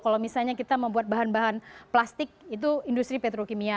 kalau misalnya kita membuat bahan bahan plastik itu industri petrokimia